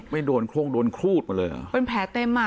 ไปโดนคู่มันดูได้เลยอ่ะเป็นแผลเต็มอ่ะ